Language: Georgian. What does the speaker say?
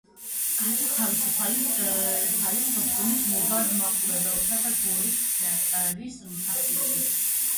არის თავისუფალი, სოხუმის მოზარდ-მაყურებელთა და გორის თეატრის მსახიობი.